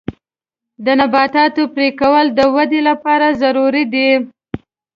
د نباتاتو پرې کول د ودې لپاره ضروري دي.